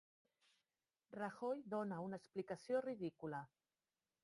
Rajoy dóna una explicació ridícula